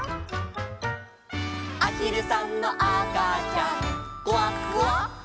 「あひるさんのあかちゃんグワグワ」